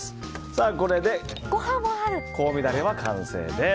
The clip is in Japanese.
これで香味ダレは完成です。